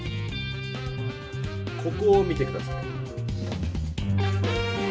ここを見て下さい。